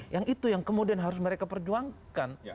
yang itu yang kemudian harus mereka perjuangkan